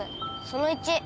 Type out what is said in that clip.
その１。